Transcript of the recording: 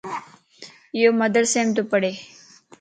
ايو مدرسيم تو پڙھه